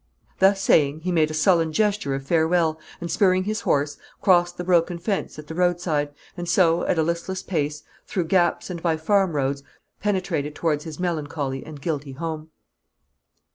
Thus saying, he made a sullen gesture of farewell, and spurring his horse, crossed the broken fence at the roadside, and so, at a listless pace, through gaps and by farm roads, penetrated towards his melancholy and guilty home.